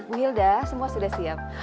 bu hilda semua sudah siap